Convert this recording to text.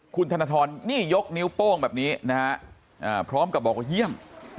คุณธนทรนี่ยกนิ้วโป้งแบบนี้นะฮะพร้อมกับบอกว่าเยี่ยม